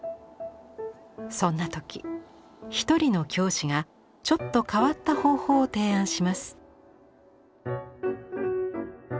そんな時一人の教師がちょっと変わった方法を提案します。